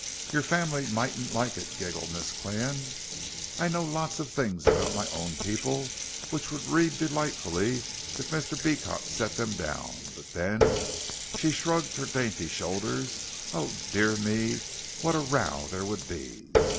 "Your family mightn't like it," giggled Miss Qian. "I know lots of things about my own people which would read delightfully if Mr. Beecot set them down, but then " she shrugged her dainty shoulders, "oh, dear me, what a row there would be!"